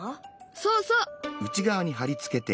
そうそう。